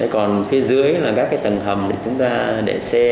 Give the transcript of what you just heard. còn phía dưới là các cái tầng hầm để chúng ta để xe